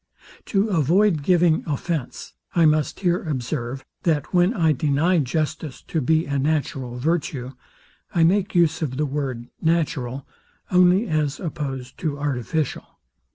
To avoid giving offence, I must here observe, that when I deny justice to be a natural virtue, I make use of the word, natural, only as opposed to artificial.